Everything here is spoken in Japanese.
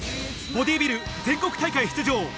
ボディビル全国大会出場。